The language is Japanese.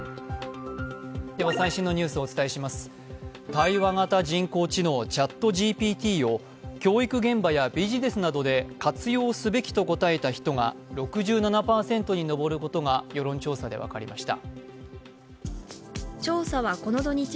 対話型人工知能、ＣｈａｔＧＰＴを教育現場やビジネスなどで活用すべきと答えた人が６７％に上ることが世論調査で分かりました。